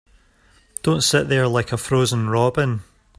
Don't sit there like a frozen robin.